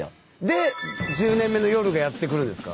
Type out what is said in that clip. で「１０年目の夜」がやって来るんですか？